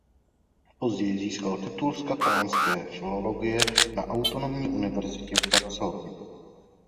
Později získal titul z katalánské filologie na Autonomní univerzitě v Barceloně.